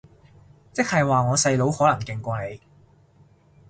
即係話我細佬可能勁過你